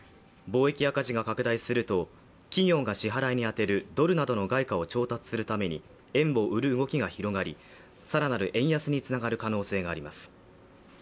貿易赤字が拡大すると企業が支払いに充てるドルなどの外貨を調達するために円を売る動きが広がり、更なる円安につながる可能性があります。